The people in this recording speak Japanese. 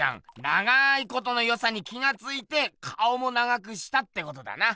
長いことのよさに気がついて顔も長くしたってことだな。